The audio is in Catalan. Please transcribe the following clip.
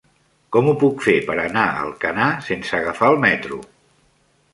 Com ho puc fer per anar a Alcanar sense agafar el metro?